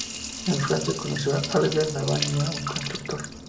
En Francia conoció a Albert Lavagna, un constructor.